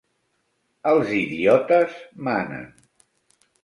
Els idiotes manen.